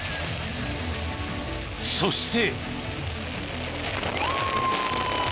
そして。